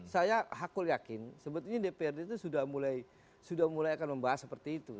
saya hakul yakin sebetulnya dprd itu sudah mulai akan membahas seperti itu